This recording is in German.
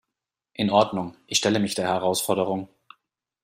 In Ordnung, ich stelle mich der Herausforderung.